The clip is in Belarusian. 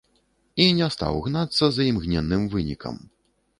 І не стаў гнацца за імгненным вынікам.